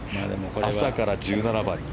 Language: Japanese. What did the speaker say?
朝から１７番に。